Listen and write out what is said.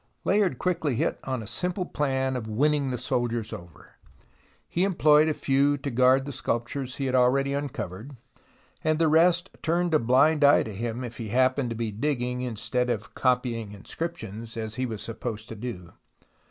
Layard quickly hit on a simple plan of winning the soldiers over. He employed a few to guard the sculptures he had already uncovered, and the THE ROMANCE OF EXCAVATION 133 rest turned a blind eye to him if he happened to be digging instead of copying inscriptions, as he was supposed to do